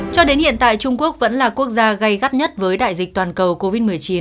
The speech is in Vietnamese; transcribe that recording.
cho đến hiện tại trung quốc vẫn là quốc gia gây gắt nhất với đại dịch toàn cầu covid một mươi chín